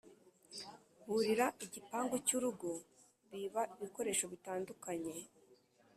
burira igipangu cy’urugo biba ibikoresho bitandukanye